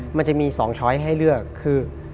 มันจะมี๒ช้อยให้เลือกคือ